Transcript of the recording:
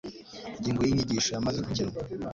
Ingingo y'inyigisho yamaze kugenwa.